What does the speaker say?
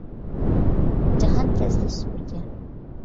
جاھانكەزدى سۈپۈرگە